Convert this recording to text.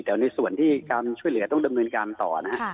แต่ในส่วนที่การช่วยเหลือต้องดำเนินการต่อนะฮะ